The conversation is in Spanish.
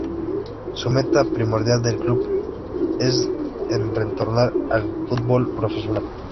Su meta primordial del club, es en retornar al fútbol profesional.